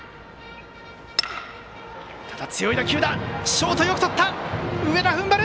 ショート、よくとった！